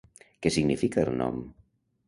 Què significa el nom?